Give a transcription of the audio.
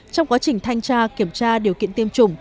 trong quá trình thanh tra kiểm tra điều kiện tiêm chủng